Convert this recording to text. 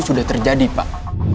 sudah terjadi pak